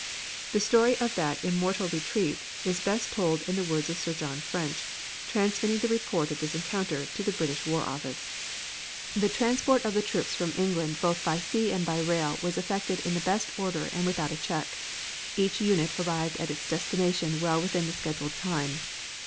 The story of that immortal retreat is best told in the words of Sir John French, transmitting the report of this encounter to the British War Office: "The transport of the troops from England both by sea and by rail was effected in the best order and without a check. Each unit arrived at its destination well within the scheduled time.